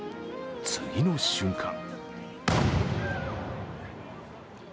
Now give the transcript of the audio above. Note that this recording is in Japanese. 次の瞬間